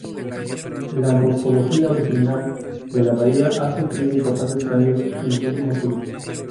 La morfología original de la bahía ha sufrido importantes cambios en los últimos siglos.